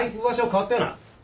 変わっとよな。